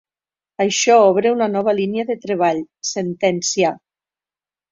Això obre una nova línia de treball —sentencià.